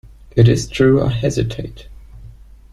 It is true I hesitate.